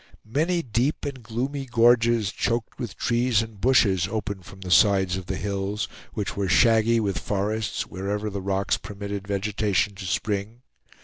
Many deep and gloomy gorges, choked with trees and bushes, opened from the sides of the hills, which were shaggy with forests wherever the rocks permitted vegetation to spring.